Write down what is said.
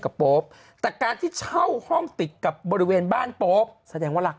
โป๊ปแต่การที่เช่าห้องติดกับบริเวณบ้านโป๊ปแสดงว่าหลัก